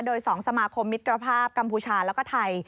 โดย๒สมาคมมิตรภาพกัมพูชาแล้วก็ไทย